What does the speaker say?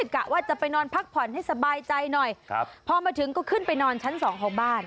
กะว่าจะไปนอนพักผ่อนให้สบายใจหน่อยครับพอมาถึงก็ขึ้นไปนอนชั้นสองของบ้าน